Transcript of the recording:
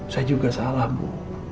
saya juga salah bu